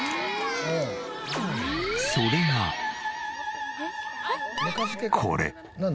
それがこれ。